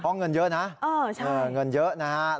เพราะเงินเยอะนะเออใช่